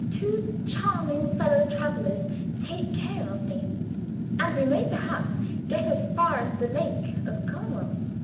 Two charming fellow travelers take care of me; and we may perhaps get as far as the Lake of Como.